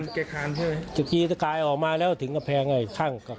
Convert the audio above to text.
แต่ตะกายออกมาแล้วถึงกระแภงนี่ข้าง